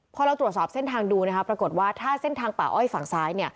พอเราตรวจสอบเส้นทางดูปรากฏว่าถ้าเส้นทางป่าอ้อยฝั่งซ้าย